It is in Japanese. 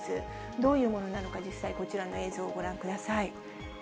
どういうものなのか、実際こちらの映像をご覧ください。